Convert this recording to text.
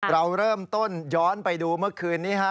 เราเริ่มต้นย้อนไปดูเมื่อคืนนี้ฮะ